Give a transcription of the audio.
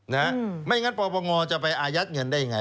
ไม่อย่างนั้นปลอบังงอจะไปอายัดเงินได้อย่างไร